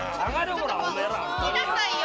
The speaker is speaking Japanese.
ちょっとどきなさいよ！